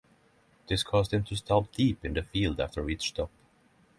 This caused him to start deep in the field after each stop.